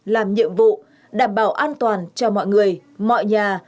làm nhiệm vụ đảm bảo an toàn cho mọi người mọi nhà